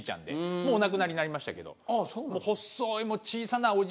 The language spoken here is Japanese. もうお亡くなりになりましたけど。